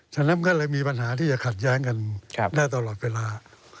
ฉะนั้นก็เลยมีปัญหาที่จะขัดแย้งกันได้ตลอดเวลา